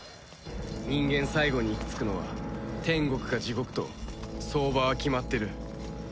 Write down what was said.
人間最後に行き着くのは天国か地獄と相場は決まってる。